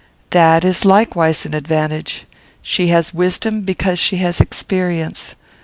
"That is likewise an advantage. She has wisdom, because she has experience.